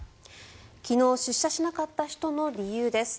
昨日、出社しなかった人の理由です。